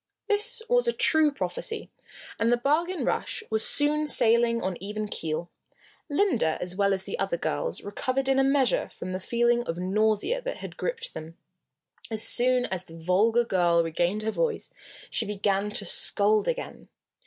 This was a true prophecy, and the Bargain Rush was soon sailing on even keel. Linda, as well as the other girls, recovered in a measure from the feeling of nausea that had gripped them. As soon as the vulgar girl regained her voice she began to scold again.